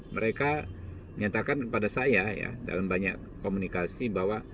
mereka menyatakan kepada saya ya dalam banyak komunikasi bahwa